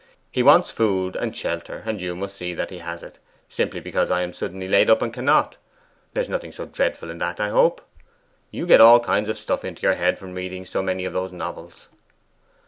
He wants food and shelter, and you must see that he has it, simply because I am suddenly laid up and cannot. There is nothing so dreadful in that, I hope? You get all kinds of stuff into your head from reading so many of those novels.